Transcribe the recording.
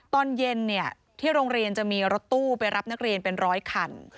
ตอนเย็นที่โรงเรียนจะมีรถตู้ไปรับนักเรียนเป็นร้อยคัน